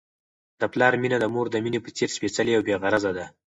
د پلار مینه د مور د مینې په څېر سپیڅلې او بې غرضه ده.